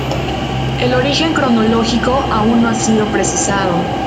El origen cronológico aún no ha sido precisado.